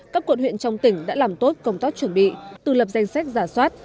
các quận huyện trong tỉnh đã làm tốt công tác chuẩn bị từ lập danh sách giả soát